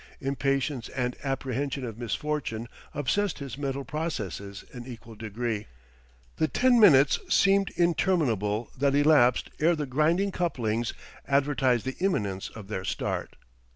Impatience and apprehension of misfortune obsessed his mental processes in equal degree. The ten minutes seemed interminable that elapsed ere the grinding couplings advertised the imminence of their start.